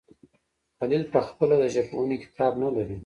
خلیل پخپله د ژبپوهنې کتاب نه لري.